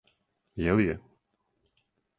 Је ли је?